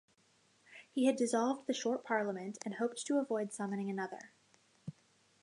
He had dissolved the Short Parliament and hoped to avoid summoning another.